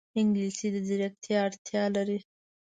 انګلیسي د ځیرکتیا اړتیا لري